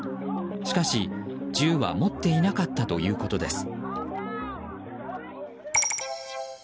しかし、銃は持っていなかったということです。